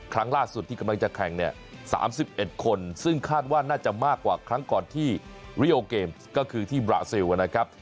ครั้งล่าสุดที่กำลังจะแข่งเนี่ย๓๑คนซึ่งคาดว่าน่าจะมากกว่าครั้งก่อนที่ริโอเกมส์ก็คือที่บราซิลนะครับ